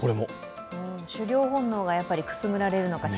狩猟本能がくすぐられるのかし